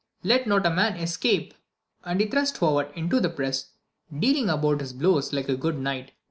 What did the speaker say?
let not a man escape! and he thrust forward into the press, dealing about his blows like a good knight.